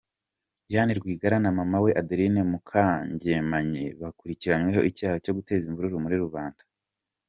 Diane Rwigaraga na mama we Adeline Mukangemanyi bakurikiranyweho icyaha cyo guteza imvururu muri rubanda.